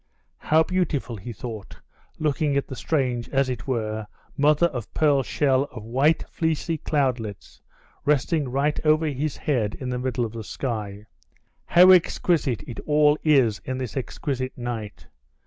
"How beautiful!" he thought, looking at the strange, as it were, mother of pearl shell of white fleecy cloudlets resting right over his head in the middle of the sky. "How exquisite it all is in this exquisite night!